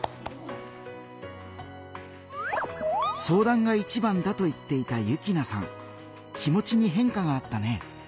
相談がいちばんだと言っていた幸那さん気持ちに変化があったね。